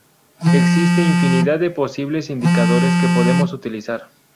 Existe infinidad de posibles indicadores que podemos utilizar.